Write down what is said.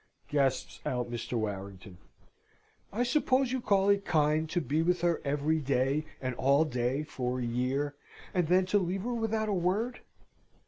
gasps out Mr. Warrington. "I suppose you call it kind to be with her every day and all day for a year, and then to leave her without a word?"